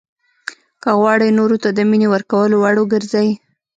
که غواړئ نورو ته د مینې ورکولو وړ وګرځئ.